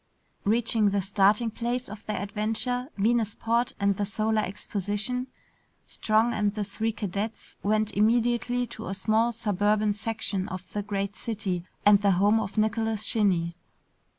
Reaching the starting place of their adventure, Venusport and the Solar Exposition, Strong and the three cadets went immediately to a small suburban section of the great city and the home of Nicholas Shinny.